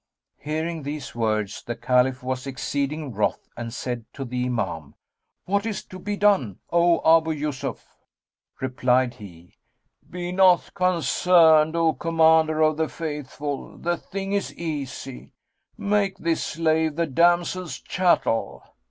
Hearing these words the Caliph was exceeding wroth and said to the Imam, "What is to be done, O Abu Yusuf?" Replied he, "Be not concerned, O Commander of the Faithful; the thing is easy. Make this slave the damsel's chattel."